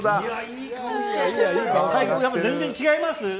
全然違います？